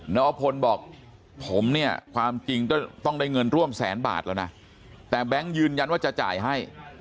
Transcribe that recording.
อพลบอกผมเนี่ยความจริงต้องได้เงินร่วมแสนบาทแล้วนะแต่แบงค์ยืนยันว่าจะจ่ายให้